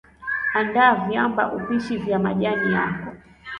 andaa viamba upishi vya majani yako